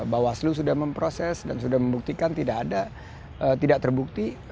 bawaslu sudah memproses dan sudah membuktikan tidak ada tidak terbukti